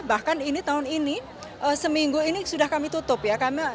bahkan ini tahun ini seminggu ini sudah kami tutup ya